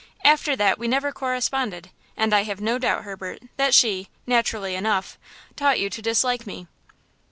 After that we never corresponded, and I have no doubt, Herbert, that she, naturally enough, taught you to dislike me."